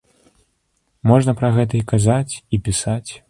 Можна пра гэта і казаць, і пісаць.